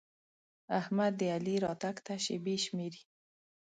احمد د علي راتګ ته شېبې شمېري.